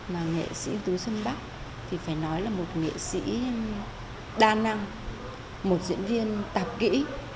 mà nghệ sĩ ưu tú xuân bắc thì phải nói là một nghệ sĩ đa năng một diễn viên tạp kỹ